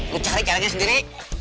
lo cari caranya sendiri